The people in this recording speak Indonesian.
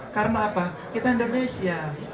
karena apa kita indonesia